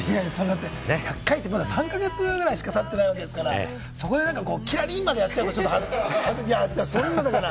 １００回って、まだ３か月ぐらいしか経ってないわけですからね、キラリン！までやっちゃうと、ちょっとね。